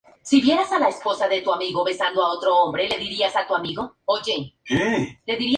Por su forma de juego, ha sido comparado con Wayne Rooney.